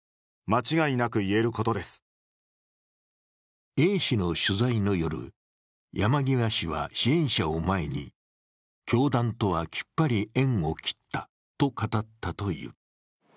その後、電話ではＡ氏の取材の夜、山際氏は支援者を前に教団とはきっぱり縁を切ったと語ったという。